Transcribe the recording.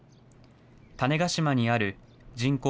種子島にある人口